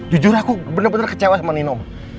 jujur aku bener bener kecewa sama nino